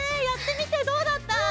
やってみてどうだった？